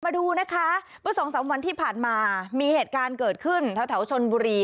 มาดูนะคะเมื่อสองสามวันที่ผ่านมามีเหตุการณ์เกิดขึ้นแถวชนบุรี